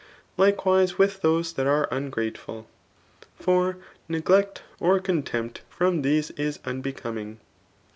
Ukamte with those that are ungrateful ; for negle<;t or conteoupt &om these is unbecoming.